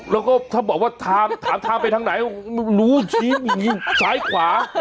แล้วก็ถ้าบอกว่าถามถามไปทางไหนรู้ชิ้นอย่างงี้ใช้ขวา